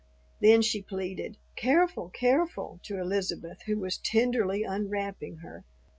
Then she pleaded, "Careful, careful," to Elizabeth, who was tenderly unwrapping her.